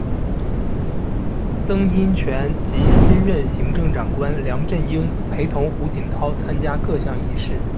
曾荫权及新任行政长官梁振英陪同胡锦涛参加各项仪式。